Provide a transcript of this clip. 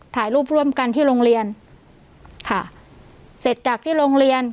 ถ่ายรูปร่วมกันที่โรงเรียนค่ะเสร็จจากที่โรงเรียน